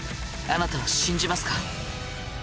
あなたは信じますか？